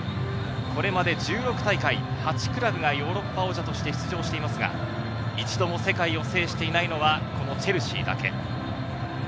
これまで１６大会８クラブがヨーロッパ王者として出場していますが、一度も世界を制していないのは、このチェルシーだけ。